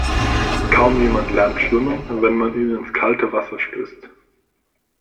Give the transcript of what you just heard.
Kaum jemand lernt schwimmen, wenn man ihn ins kalte Wasser stößt.